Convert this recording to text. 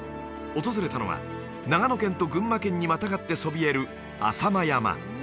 訪れたのは長野県と群馬県にまたがってそびえる浅間山